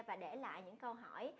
và để lại những câu hỏi